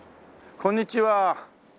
こんにちは。